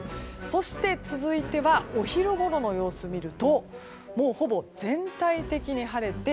そして、続いてはお昼ごろの様子を見るとほぼ全体的に晴れて